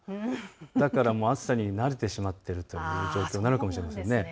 だからもう暑さに慣れてしまっているという状況になるかもしれませんね。